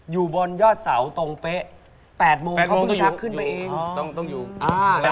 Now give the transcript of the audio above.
อยู่บนยอดเสาตรงเป๊ะ๘โมงเพราะเพิ่งชักขึ้นไปเอง